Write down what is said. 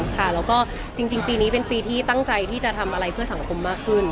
ค่ะแล้วก็จริงปีนี้เป็นปีที่ตั้งใจที่จะทำอะไรเพื่อสังคมมากขึ้น